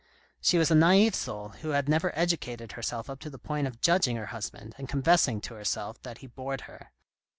She was a naive soul, who had never educated herself up to the point of judging her husband and confessing to herself that he bored her.